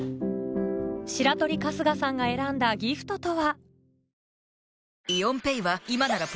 白鳥かすがさんが選んだギフトとは？